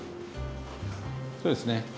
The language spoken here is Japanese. そうですね。